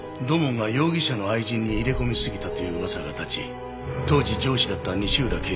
土門が容疑者の愛人に入れ込みすぎたという噂が立ち当時上司だった西浦